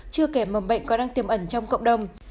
chưa kể mầm bệnh còn đang tiềm ẩn trong cộng đồng